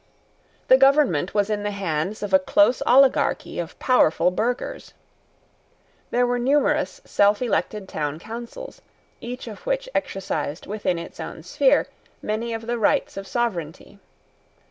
The government was in the hands of a close oligarchy of powerful burghers. There were numerous selfelected Town Councils, each of which exercised within its own sphere, many of the rights of sovereignty.